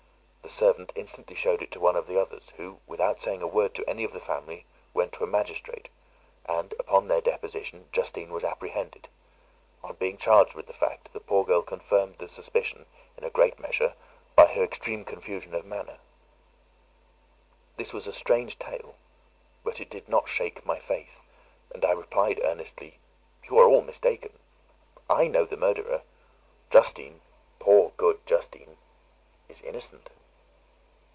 The servant instantly showed it to one of the others, who, without saying a word to any of the family, went to a magistrate; and, upon their deposition, Justine was apprehended. On being charged with the fact, the poor girl confirmed the suspicion in a great measure by her extreme confusion of manner. This was a strange tale, but it did not shake my faith; and I replied earnestly, "You are all mistaken; I know the murderer. Justine, poor, good Justine, is innocent."